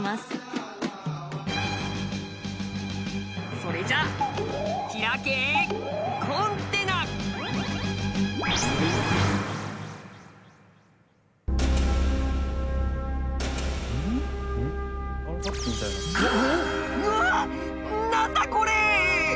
それじゃあうわ何だこれ！